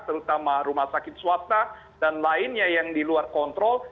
terutama rumah sakit swasta dan lainnya yang di luar kontrol